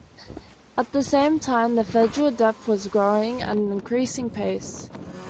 At the same time, the federal debt was growing at an increasing pace.